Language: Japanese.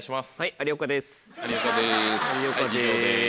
有岡です。